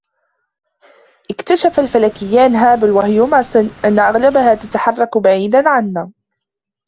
اكتشف الفلكيان هابل و هيوماسن أنّ أغلبها تتحرك بعيدا عنا